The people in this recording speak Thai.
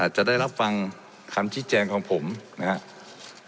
จะได้รับฟังคำชี้แจงของผมนะครับ